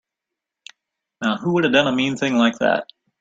Now who'da done a mean thing like that?